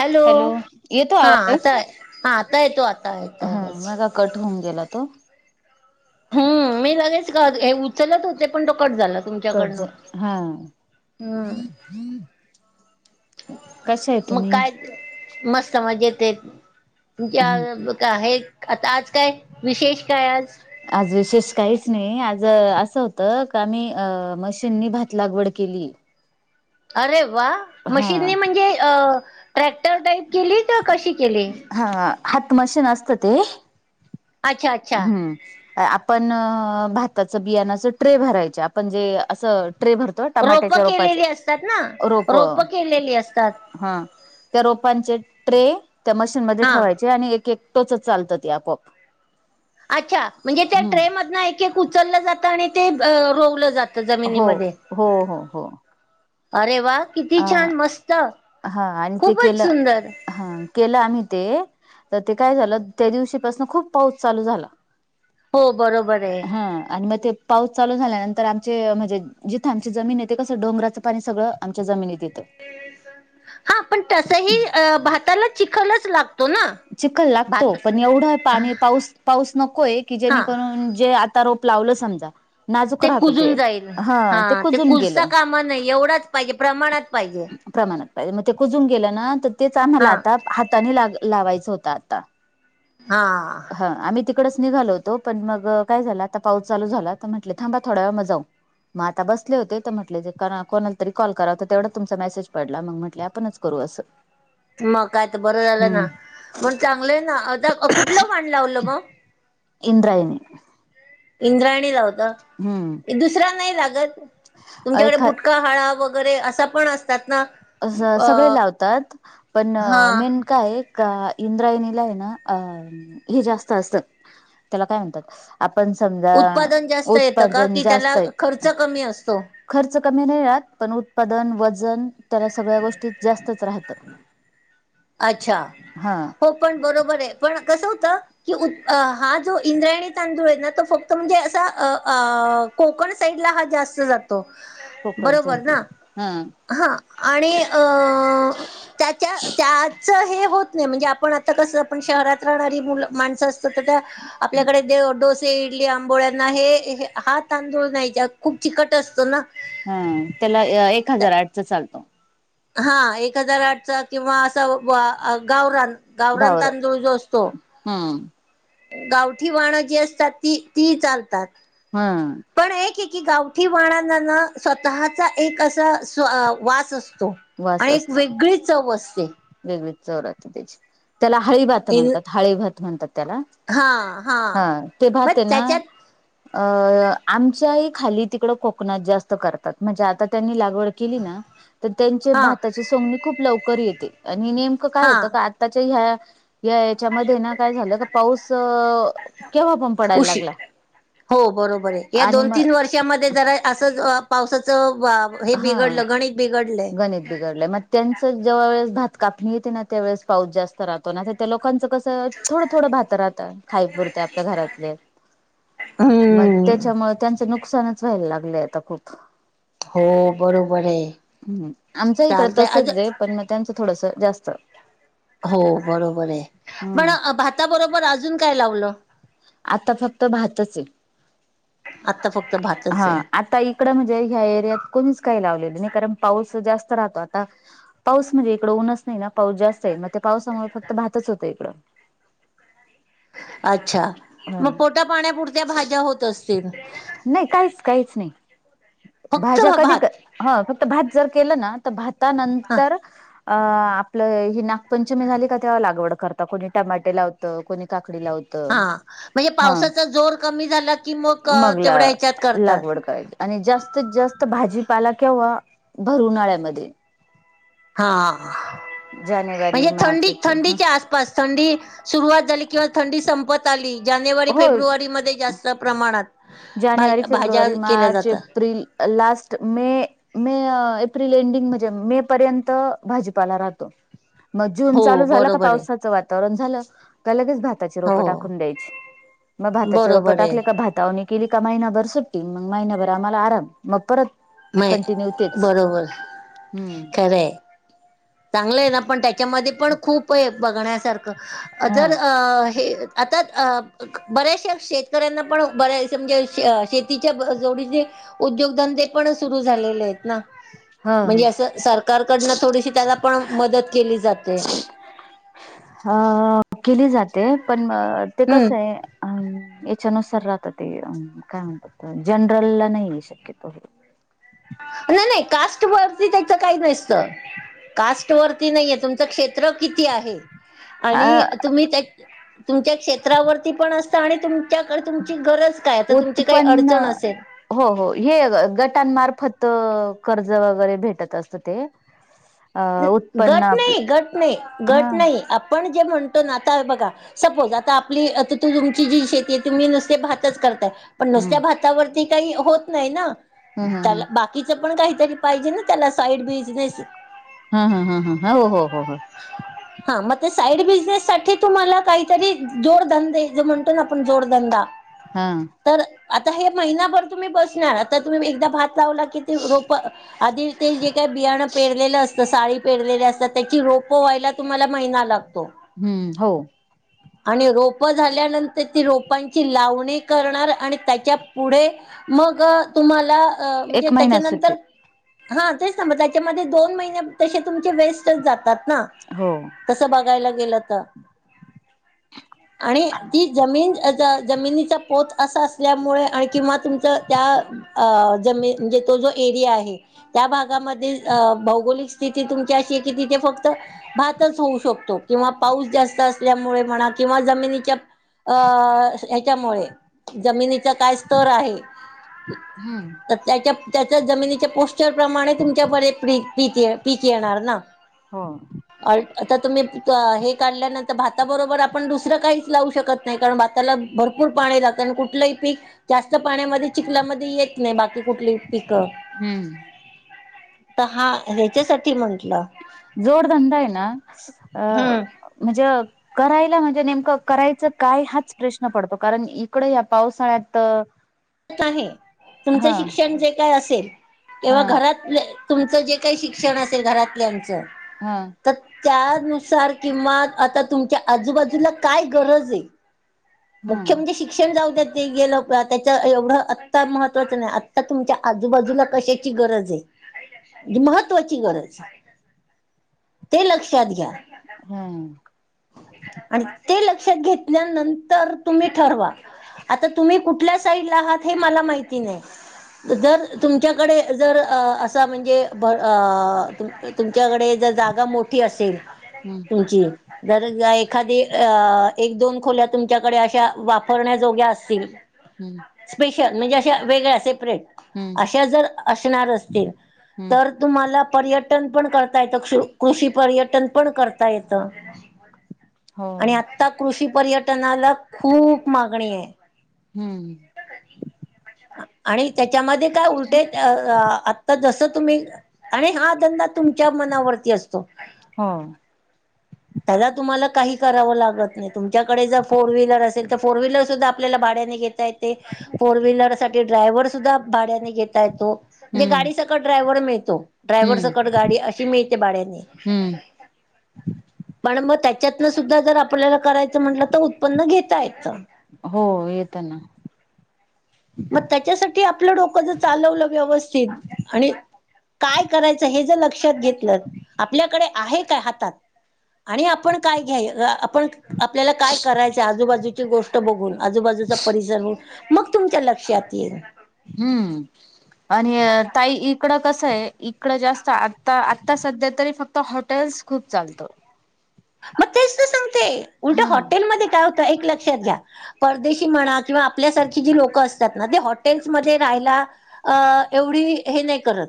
Hello, हा आता, हा आता येतो आ हं. मगा कट होऊन गेला तो. हं. मी लगेच का [unintelligible] चलत होते पण तो कट झाला कट जा तुमच्याकडनं. हा हं. कशा आहे मग तुम्ही काय? मस्त मजेतये ज का हे, आता आज काय, विशेष काय आज? आज विशेष काहीच नाही. आज असं होत का आम्ही मशीननी भात लागवड केली. अरे वा! हा मशीनने म्हणजे अ ट्रॅक्टर टाईप केली? का कशी केली? हा, हात मशीन असत ते. अच्छा अच्छा हं. आपण भाताचं बियाणाचं ट्रे भरायच. आपण जे असं ट्रे भर रोपं केलेली असतात ना? रोपं केलेली असतात. हं. त्या रोपांचे ट्रे त्या मशीनमध्येध्ये हा ठेवायचे. आणि एक एक टोचत चालत ते आपोआप. अच्छा! म्हणजे त्या हम्म ट्रेमधन एक एक उचललं जातं आणि ग ते रोवलं जा त हो जमिनीमध्ये. हो हो हो अरे वा! किती अ छान! मस्त! हा आणि ते खूपच केलं सुंदर! हा केलं आम्ही ते. तर ते काय झालं त्या दिवशी पासन खूप पाऊस चालू झाला. हो, बरोबर आहे. हं. आणि म ते पाऊस चालू झाल्यानंतर आमचे म्हणजे जिथ आमची जमीन आहे ते कसं डोंगराचं पाणी सगळं आम च्या जमिनीत येतं. हा, पण तसही अ भाताला चिखलच लागत चिखल लागतो पण एवढही पाणी पाऊस पाऊस नकोय, की हा जेणेकरून जे आत ता रोप लावल समजा नाजूक ते राहत कुजून जाईल. हा हां. ते कुजून कुजता गेलं काम नाही एवढाच पाहिजे. प्रमाणात पाहिजे. प्रमाणात पाहिजे. म ते कुजून गेलं ना त तेच आम्हाला हा आता हाताने लाग लावायचं होतं आता. हा. ह, आम्ही तिकडच निघालो होतो. पण मग काय झालं? आता पाऊस चालू झाला. तर म्हटले थांबा थोड्या वेळ म जाऊ. मग आता बसले होते. त म्हटले जे कोणा तरी कॉल करावा. त तेवढ्यात तुमचा मेसेज पडला. मग म्हटल आपणच करू असं. म काय त? बरं झालं ना. हम्म मग चांगलं ना आता कुठलं वाण लावलं मग? इंद्रायणी. इंद्रायणी लावता? हम्म दुसरा नाही लागत? तुमच्याकडे एखा बुट का, हळा वगैरे असा पण असतात ना. अस अ सगळे लावतात. पण हा मेन काये का इंद्रायणीलाये ना अ हे जास्त असतं. त्याला काय म्हणतात? आपण समजा उत्पादन जास्त येतं का उत्पादन की त्याला जास्त आहेत खर्च कमी असतो खर्च कमी नाही राहत पण उत्पादन, वजन त्याला सगळ्या गोष्टी जास्तच राहतं. अच्छा हा हो पण बरोबर आहे पण कसं होतं कि उ हा जो इंद्रायणी तांदूळ आहे ना तो फक्त म्हणजे असं आ अ कोकण साईड ला हा जास्त जातो कोकणच्या बरोबर ना. इथला. हा हा आणि अ त्याच्या त्याचा हे होत नाही म्हणजे आपण आता कसं आपण शहरात राहणारी मुलं माणसंस चत त्या आपल्याकडे जेव डोस चे इडली आंबोळ्यांना हे हे हा तांदूळ नाहीयच्या खूप चिकट असतो ना. हा त्याला ए एक हजार आठचा चालतो. हा एक हजार आठचा किंवा असा व गावरान गावरान घावरल. तांदूळ जो असतो हम्म. गावठी वाणं जी असतात ती ती चालतात. हां. पण आहे की गावठी वाणानांना स्वतःचा एक असा सो वास असतो. वास आणि एक असतो वेगळी चव असते. वेगळीच चव राहते त्याची त्याला हळी भात इन म्हणतात हळी भात म्हणतात त्याला. हा ते मग भात आहे ना त्याच्यात अ आमच्याही खाली तिकडं कोकणात जास्त करतात म्हणजे आता त्यांनी लागवड केली ना तर त्यांचे हा भाताची सोहणी खूप लवकर येते आणि नेमकं काय हा होतं का आ ताचे ह्या या याच्यामध्ये ना काय झालं का पाऊस केव्हा पण पडाय उशी लागला. हो बरोबर आहे या आणि दोन मग तीन वर्षामध्ये जरा असच पावसा च बा हे हा बिघडलं गणित बिघडलंय. गणित बिघडलंय म त्यांच जेव्हा वळेस भात कापणी येते ना त्यावेेळेस पाऊस जास्त राहतो ना तर त्या लोकांचं कसं तत थोडं थोडं भात राहतं खाईपुरते आपल्या घरातले म हम्म त्याच्यामुळे त्यांचं नुकसानच व्हायल लागलेय आता खूप. हो बरोबर आहे. हम्म आमच इकडं चालतय अज तसंच आहे पण म त्यांचं थोडंसं जास्त. हो बरोबर आहे पण हम्म भाताबरोबर अजून काय लावलं? आत्ता फक्त भातचं आहे. आता फक्त भात हा आता इकडं म्हणजे ह्या एरियात कोणीच काही लावलेलं नाही कारण पाऊस जास्त राहतो आता पाऊस म्हणजे इकडं ऊनच नाही ना पाऊस जास्त आहे म त्या पावसामुळे फक्त भातच होतय इकडं. अच्छा ह मग पोट्या पाण्यापुरत्या भाज्या होत असतील. नाही काहीच काहीच नाही. फक्त हा भात? हा फक्त भात जर केलं ना तर भाता हा नंतर अ आपलं ही नागपंचमी झाली का? तेव्हा लागवड करता कोणी टमाटे लावतं, कोणी काकडी लाव हा म्हणजे पावसाचा जोर कमी झाला की मग तेवढ्या ह्याच्यात करतात. लागवड करायची आणि जास्तीत जास्त भाजीपाला केव्हा भर उन्हाळ्यामध्ये. हा जानेवारी म्हणजे मार्च थंडी एप्रिल ह थंडीच्या आस पास थंडी सुरुवात झाली किंवा थंडी संपत आली जानेवारी हो फेब्रुवारी मध्ये जास् त प्रमाणात भा जानेवारी, भाज्या फेब्रुवारी, केल्या मार्च, जातात April, last May. May April ending म्हणजे मे पर्यंत भाजीपाला राहतो. म जून चालू हो झाला का? बरोबर आहे पावसाचं वातावरण झालं का लगेच भात् -ताची रोप हो टाकून द्यायची म भाताचे रोप बरोबर टाकले का? आहे भातावणी् केली का? महिनाभर सुट्टी मंग महिनाभर आम्हाला आराम. म परत म कंटिन्यू तेच. बरोबर हम्म. चांगलंय ना पण त्याच्यामध्ये पण खूपये. बघण्यासारखं हा जर अ हे. आता त बऱ्याचशा शेतकऱ्यांना पण बऱ्या समजा शे शेतीच्या ब जोडीने. उद्योगधंदे पण सुरू झालेलेयत ना. हा म्हणजे असं सरकारकडंन थोडीशी त्याला पण मदत केली जाते. अं केली जाते. पण ते हम्म कसंय. अम याच्यानुसार राहत ते काय? म्हणतात जनरल ला नईये शक्यतो हे. न नई कास्ट वरती त्याच काई नसतं. कास्ट वरती नईये तुमचं क्षेत्र किती आहे. अ आणि तुम्ही त्या तुमच्या क्षेत् -त्रावरती पण असतं आणि तुमच्याकड् तुमची गरज काय? आता तुमची काय उत्पन्न अडचण असेल. हो हो हे गटांमार्फत कर्ज वगैरे भेटत असतं ते. अ उत्पन्न गट आपलं नई गट नई हा गट नई आपण जे म्हणतो ना आता बघा सपोज आता आपली अता तू तुमची जी शेतीय. तुम्ही नुसते भातच करताय पण नुसत्या हम्म भातावरती काई होत नई ना हम् हम त्याला हम बा -कीचं पण काहीतरी पायजे न त्याला साईड बिजनेस हम हम हम हम, हो हो हो हो. हा म ते साईड बिझनेस साठी तुम्हाला काईतरी जोडधंदे ज म्हणतो ना आपण जोडधंदा हं. तर आता हे महिनाभर तुम्ही बसणार. आता तुम्ही एकदा भात लावला की ती रोपं आधी ते जे काही बीयाणं पेरलेलं असतं, साळी पेरलेल्या असतात त्याची रोपं व्हायला तुम्हाला महिना लागतो. हम्म हो. आणि रोपं झाल्यानंतर ती रोपांची लावणी करणार आणि त्याच्या पुढे मग तुम्हाला अ म्हंजे एक महिना सुट्टी त्याच्यानंतर हा तेच ना म त्यांच्यामध्ये दोन मईने तसे तुमचे वेस्टच जातात ना. हो. तसं बघायला गेलं त आणि ती जमीन जमिनीचा पोत असा असल्यामुळे आणि किंवा तुमच त्या अ जमीन म्हजे तो जो एरिया आहे त्या भागामध्ये अ भौगोलिक स्थिती तुमची अशीये की तिथे फक् -त भातच होऊ शकतो किंवा पाऊस जास्त असल्यामुळे म्हणा किंवा जमिनीच्या अ ह्याच्यामुळे जमिनीच्या काय स्तर आहे. हम्म त्याच्या त्याच्या जमिनीच्या पोस्चर प्रमाणे तुमच्या बरे प्री पीके पीक येणार ना‌. हं. अ आता तुम्ही हे काढल्यानंतर भाताबरोबर आपण दुसरं काहीच लावू शकत नाई कारण भाताला भरपूर पाणी रातं आणि कुठलंई पीक जास्त पाण्यामध्ये चिखलामध्ये येत नाई बाकी कुठली पिकं हम्म तर हा ह्याच्यासाठी म्हंटल जोडधंदा आहे ना अ हम्म म्हणजे करायला म्हणजे नेमक करायच काय हाच प्रश्न पडतो कारण इकड या पावसाळ्यात आहे तुमच शिक्षण जे काय असेल हा तेव्हा हा घरात तुमचं जे काही शिक्षण असेल घरातल्यांच हा तर त्यानुसार किंवा आता तुमच्या आजुबाजूला काय गरज आहे मुख्य म्हणजे शिक्षण शिक्षण जाऊ द्या ते गेलं त्याच एवढ आत्ता महत्त्वाच नाही आत्ता तुमच्या आजूबाजूला कशाची कशाची गरज आहे महत्वाची गरज ते लक्षात घ्या हा आणि ते लक्षात घेतल्यानंतर तुम्ही ठरवा आता तुम्ही कुठल्या साईडला आहात हे मला माहिती नाही जर तुमच्याकडे जर असा म्हणजे [unintelligible] तुमच्याकडे जर जागा मोठी असेल हम्म तुमची जर एखादी अ एक दोन खोल्या तुमच्याकडे अशा वापरण्याजोग्या असतील स्पेशल म्हणजे अशा वेगळ्या सेपरेट हम्म अशा जर असणार असतील हम्म तर तुम्हाला पर्यटन पण करता येत कृषी पर्यटन पण करता येत हो आणि आता कृषी पर्यटनाला खूप मागणी आहे हम्म आणि त्याच्यामध्ये काय उलटे आता जस तुम्ही आणि हा धंदा तुमच्या मनावरती असतो हो त्याला तुम्हाला काही करावं लागत नाही तुमच्याकडे जर फोर व्हीलर असेल तर फोर व्हीलर सुद्धा आपल्याला भाड्याने घेता घेता येते फोर व्हीलर साठी ड्रायव्हर सुद्धा भाड्याने घेता येतो ते हम्म गाडी ड्रायव्हर मिळतो ड्रायव्हर सकट हम्म गाडी अशी मिळते भाड्याने हम्म पण मग त्याच्यातन सुद्धा जर आपल्याला करायचं म्हटल तर उत्पन्न घेता येत हो येत ना मग त्याच्यासाठी आपल डोक जर चालवल व्यवस्थित आणि काय करायचं हे जर लक्षात लक्षात घेतल आपल्याकडे आहे काय हातात आणि आपण काय घ्यायच आपण आपल्याला काय करायच आजूबाजूची गोष्ट बघून आजूबाजूचा परिसर मग तुमच्या लक्षात लक्षात येईल हम्म आणि ताई इकड कस आहे इकड जास्त आता-आता सध्या तरी फक्त हॉटेल्स खूप चालतो मग तेच तर सांगतेय उलट हा हॉटेल मध्ये काय होत एक लक्षात घ्या परदेशी म्हणा किंवा आपल्यासारखी जी लोकं असतात ते हॉटेल्समध्ये राहायला अ एवढी हे नाही करत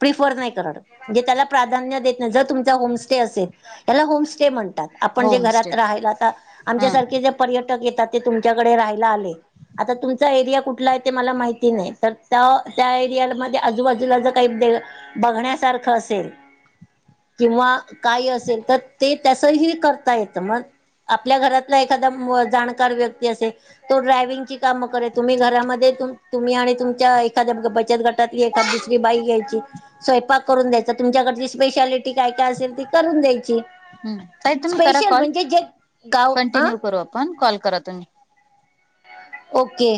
प्रीफर नाही करत म्हणजे त्याला प्राधान्य देत नाही जर तुमचा होमस्टे असेल त्याला होमस्टे होमस्टे म्हणतात आपण जे होम स्टे घरात राहायला आता हा हम्म आमच्यासारखे पर्यटक येतात ते तुमच्याकडे राहायला आले आता तुमचा एरिया कुठला आहे, ते मला माहिती नाही. तर त्या त्या एरियामध्ये आजूबाजूला जर काही बघण्यासारखं असेल, किंवा काही असेल तर ते तसही करता येत. मग आपल्या घरातला एखादा जाणकार व्यक्ती असेल तो ड्रायवि्हंगची काम करेल. तुम्ही घरामध्ये तुम्ही आणि तुमच्या एखाद्या बचत गट एखाद दुसरी बाई घ्यायची स्वयंपाक करून द्यायच तुमच्याकडची स्पेशालिटी काय, काय असेल ती करून द्यायची. हम्म ताई तुम्ही करा स्पेशल कॉल म्हणजे जे गाव अ कंटिन्यू करू आपण कॉल करा तुम्ही. ओके.